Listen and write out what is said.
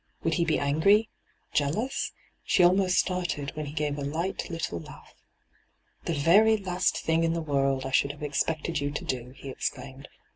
Would he be angry — jealous ? She almost started when he gave a light Uttle laugh. ' The very last thing in the world I should have expected you to do 1' he exclaimed.